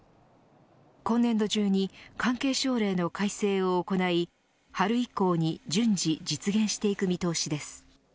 今年度中に関係省令の改正を行い春以降に順次実現していく見通しです。